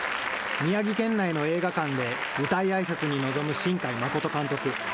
宮城県内の映画館で、舞台あいさつに臨む新海誠監督。